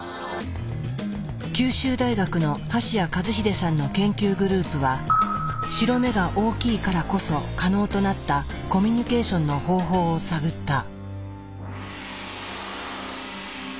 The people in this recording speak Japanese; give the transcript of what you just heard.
九州大学の橋彌和秀さんの研究グループは白目が大きいからこそ可能となったコミュニケーションの方法を探った。